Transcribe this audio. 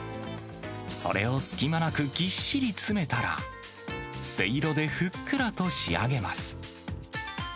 それを隙間なくぎっちり詰めたら、せいろでふっくらと仕上げます。